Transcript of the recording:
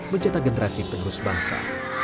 mencetak generasi tegus bangsa